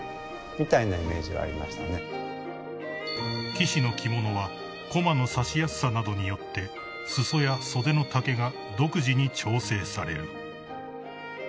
［棋士の着物は駒の指しやすさなどによって裾や袖の丈が独自に調整される］